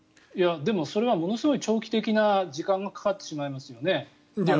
でも、それはものすごい長期的に時間がかかってしまいますよね。